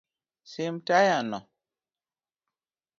Sim tayano.